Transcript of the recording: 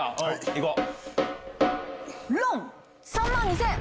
いこう。